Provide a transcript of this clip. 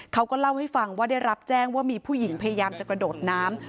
เขาก็เล่าให้ฟังว่าได้รับแจ้งว่ามีผู้หญิงพยายามจะกระโดดน้ำ